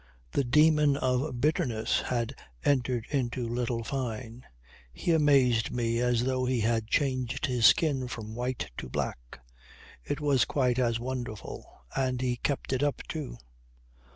The demon of bitterness had entered into little Fyne. He amazed me as though he had changed his skin from white to black. It was quite as wonderful. And he kept it up, too.